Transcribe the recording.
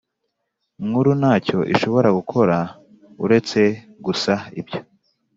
Nkuru ntacyo ishobora gukora uretse gusa ibyo